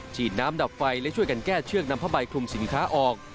ฉีดน้ำดับไฟและช่วยกันแก้เชือกนำผ้าใบคลุมสินค้าออก